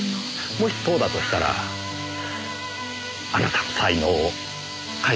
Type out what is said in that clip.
もしそうだとしたらあなたの才能を開花させるため。